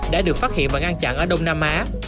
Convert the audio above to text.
đã được phát hiện và ngăn chặn ở đông nam á